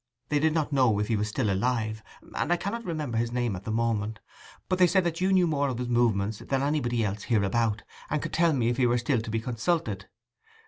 They did not know if he was still alive—and I cannot remember his name at this moment; but they said that you knew more of his movements than anybody else hereabout, and could tell me if he were still to be consulted.